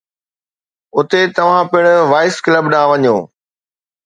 اتي توهان پڻ وائيس ڪلب ڏانهن وڃو.